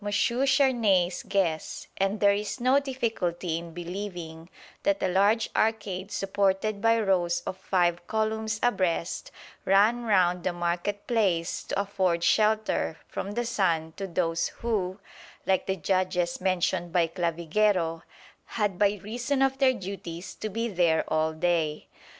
Charnay's guess, and there is no difficulty in believing that a large arcade supported by rows of five columns abreast ran round the market place to afford shelter from the sun to those who, like the judges mentioned by Clavigero, had by reason of their duties to be there all day.